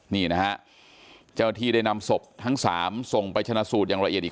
นี่นะฮะเจ้าที่ได้นำศพทั้ง๓ส่งไปชนะสูตรอย่างละเอียดอีก